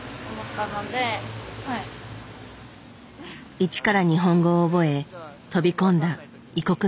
一から日本語を覚え飛び込んだ異国のお笑い界。